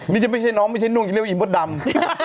นี่จะไม่ใช่น้องไม่ใช่นุ่งจะเรียกว่าอีมดดำ